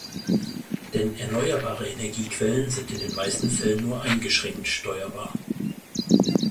Denn erneuerbare Energiequellen sind in den meisten Fällen nur eingeschränkt steuerbar.